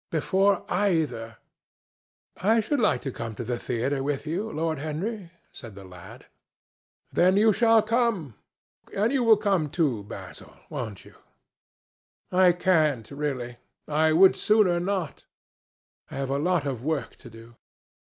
"Before either." "I should like to come to the theatre with you, Lord Henry," said the lad. "Then you shall come; and you will come, too, Basil, won't you?" "I can't, really. I would sooner not. I have a lot of work to do."